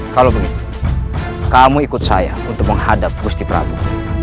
kalau begitu kamu ikut saya untuk menghadap gusti prabu